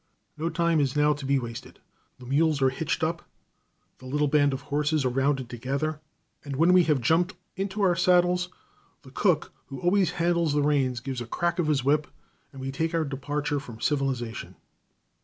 No time is now to be wasted; the mules are hitched up; the little band of horses are rounded together, and when we have jumped into our saddles, the cook, who always handles the reins, gives a crack of his whip, and we take our departure from civilization.